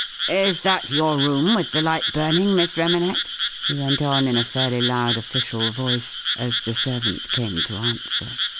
" Is that your room with the light burning, Miss Remanet ?" he went on, in a fairly loud official voice, as the servant came to answer.